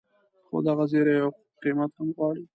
خو دغه زیری یو قیمت هم غواړي.